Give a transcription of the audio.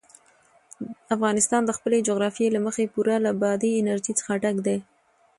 افغانستان د خپلې جغرافیې له مخې پوره له بادي انرژي څخه ډک دی.